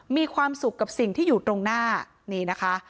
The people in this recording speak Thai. มีความสุขกับสิ่งที่อยู่ตรงหน้านี่นะคะ